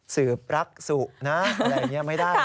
สืบรักษุนะอะไรอย่างนี้ไม่ได้